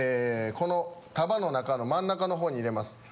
この束の中の真ん中の方に入れます。